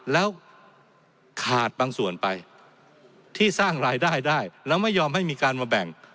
แล้วขาดบางส่วนไปที่สร้างรายได้ได้แล้วไม่ยอมให้มีการมาแบ่ง